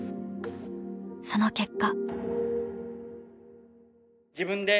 その結果。